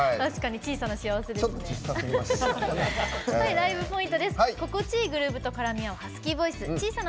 ライブポイントです。